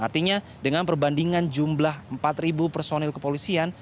artinya dengan perbandingan jumlah empat personil kepolisian